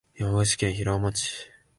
山口県平生町